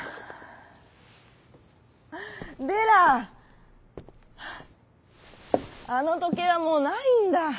「デラあのとけいはもうないんだ」。